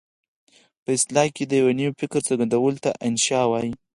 په اصطلاح کې د یوه نوي فکر څرګندولو ته انشأ وايي.